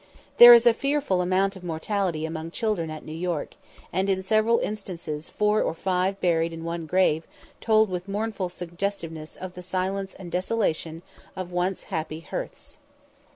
There is a fearful amount of mortality among children at New York, and in several instances four or five buried in one grave told with mournful suggestiveness of the silence and desolation of once happy hearths.